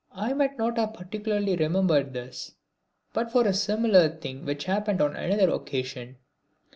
I might not have particularly remembered this, but for a similar thing which happened on another occasion.